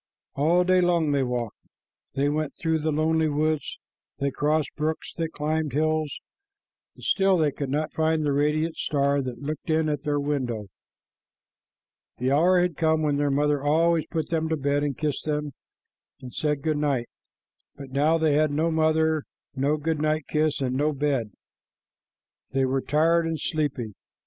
All day long they walked. They went through the lonely woods, they crossed brooks, they climbed hills, and still they could not find the radiant star that had looked in at their window. The hour had come when their mother always put them to bed and kissed them and said good night, but now they had no mother, no good night kiss, and no bed. They were tired and sleepy.